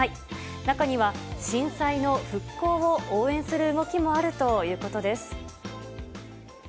中には、震災の復興を応援する動きもあるということです。